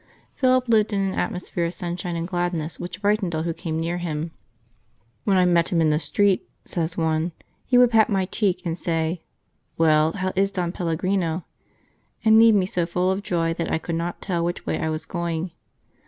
Philip lived in an atmosphere of sunshine and gladness which brightened all who came near him. " When I met him in the street/^ says one, " he would pat my cheek and say, * Well, how is Don Pellegrino ?' and leave me so full of joy that I could not tell which way I was going."